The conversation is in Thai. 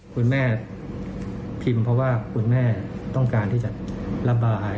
คุณแม่พิมพ์เพราะว่าคุณแม่ต้องการที่จะรับบาอาย